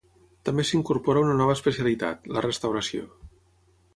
També s'incorpora una nova especialitat, la restauració.